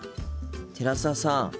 寺澤さん。